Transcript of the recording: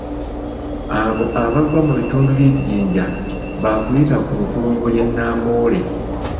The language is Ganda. Abo abava mu bitundu by'e Jinja baakuyita ku nkulungo y'e Namboole